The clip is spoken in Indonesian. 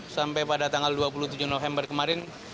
sampai pada tanggal dua puluh tujuh november kemarin